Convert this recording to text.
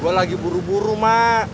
gue lagi buru buru mak